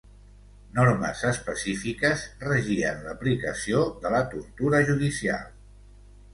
Normes específiques regien l'aplicació de la tortura judicial.